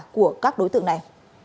của các đối tượng này